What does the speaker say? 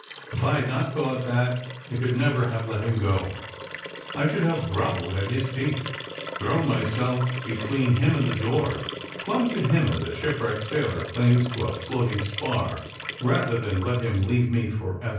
" If I had not thought that, I could never have let him go. I should have grovelled at his feet, thrown myself between him and the door, clung to him as a shipwrecked sailor clings to a floating spar, rather than let him leave me for ever."